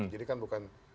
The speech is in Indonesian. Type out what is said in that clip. jadi kan bukan